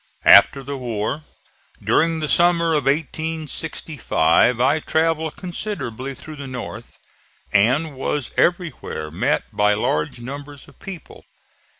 After the war, during the summer of 1865, I travelled considerably through the North, and was everywhere met by large numbers of people.